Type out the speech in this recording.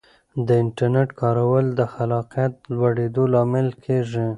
د انټرنیټ کارول د خلاقیت د لوړېدو لامل کیږي.